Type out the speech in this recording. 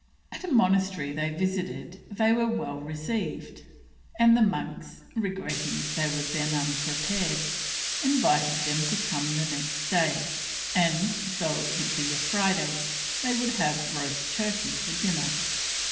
At a monastery they visited they were well received, and the monks, regretting they were then unprepared, invited them to come the next day and, though it would be Friday, they would have roast turkey for dinner.